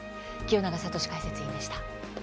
清永聡解説委員でした。